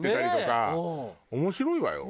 面白いわよ。